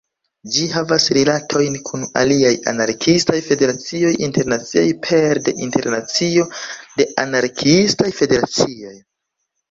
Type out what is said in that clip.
Ĝi havas rilatojn kun aliaj anarkiistaj federacioj internaciaj pere de Internacio de Anarkiistaj Federacioj.